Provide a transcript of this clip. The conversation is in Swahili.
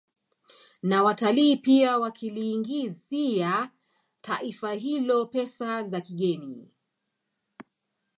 Na watalii pia wakiliingizia taifa hilo pesa za kigeni